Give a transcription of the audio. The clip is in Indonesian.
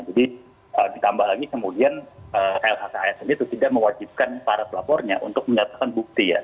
jadi ditambah lagi kemudian lhk asn itu tidak mewajibkan para pelapornya untuk mengatakan bukti ya